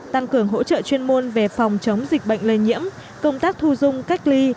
tăng cường hỗ trợ chuyên môn về phòng chống dịch bệnh lây nhiễm công tác thu dung cách ly